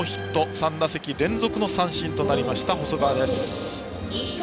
３打席連続の三振となりました細川です。